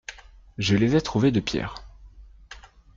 Je les ai trouvés de pierre.